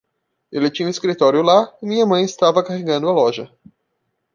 Ele tinha o escritório lá e minha mãe estava carregando a loja.